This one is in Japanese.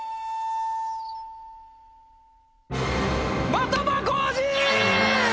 的場浩司！